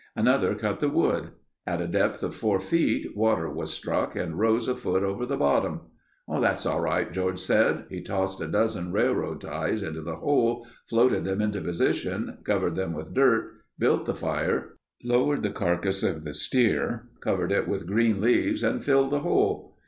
Another cut the wood. At a depth of four feet, water was struck and rose a foot over the bottom. "That's all right" George said. He tossed a dozen railroad ties into the hole, floated them into position, covered them with dirt, built the fire, lowered the carcass of the steer, covered it with green leaves and filled the hole.